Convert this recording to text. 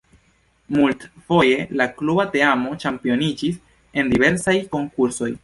Multfoje la kluba teamo ĉampioniĝis en diversaj konkursoj.